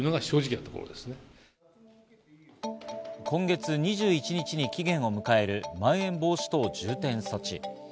今月２１日に期限を迎える、まん延防止等重点措置。